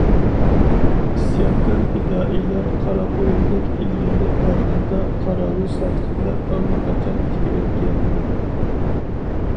ئىسيانكار پىدائىيلار قارا قۇيۇندەك ئىلگىرىلەپ بارغاندا قاراۋۇل ساقچىلار ئاللىقاچان تىكىۋەتكەنىدى.